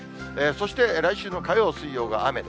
そして、来週の火曜、水曜が雨で、